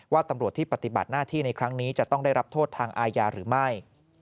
ตำรวจที่ปฏิบัติหน้าที่ในครั้งนี้จะต้องได้รับโทษทางอาญาหรือไม่